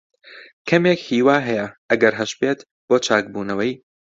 کەمێک ھیوا ھەیە، ئەگەر ھەشبێت، بۆ چاکبوونەوەی.